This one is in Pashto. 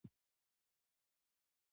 جون د خپل وطن امروهې سره بې کچه مینه لرله